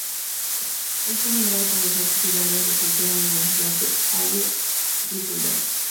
El fue nombrado profesor titular de Agricultura en la Universidad de Halle-Wittenberg.